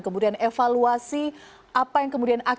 kemudian evaluasi apa yang kemudian akan